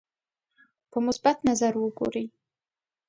په مثبت نظر وګوري.